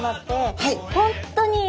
はい。